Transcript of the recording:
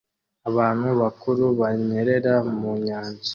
abantu bakuru banyerera mu nyanja